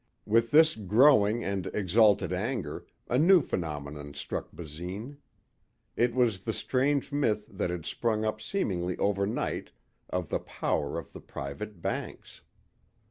With this growing and exalted anger, a new phenomenon struck Basine. It was the strange myth that had sprung up seemingly overnight of the power of the private banks.